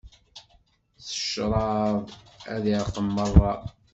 S tecraḍ ad irqem merra.